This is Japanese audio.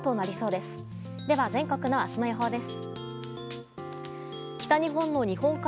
では、全国の明日の予報です。